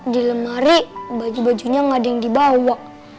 di lemari baju bajunya nggak ada yang dibawa